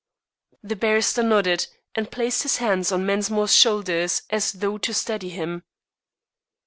The barrister nodded, and placed his hands on Mensmore's shoulders as though to steady him.